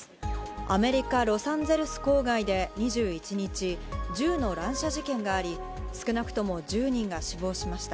アメリカ・ロサンゼルス郊外で２１日、銃の乱射事件があり、少なくとも１０人が死亡しました。